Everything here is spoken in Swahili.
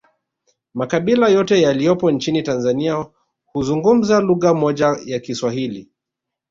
Makabila yote yaliyopo nchini Tanzania huzungumza lugha moja ya kiswahili